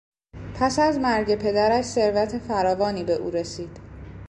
پس از مرگ پدرش ثروت فراوانی به او رسید.